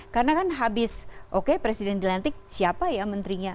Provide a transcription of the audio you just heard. karena kan habis oke presiden dilantik siapa ya menterinya